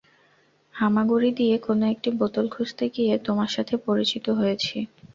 হামাগুড়ি দিয়ে কোন একটি বোতল খুঁজতে গিয়ে তোমার সাথে পরিচিত হয়েছি।